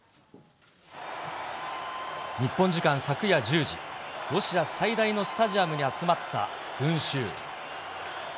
日本時間昨夜１０時、ロシア最大のスタジアムに集まった群衆。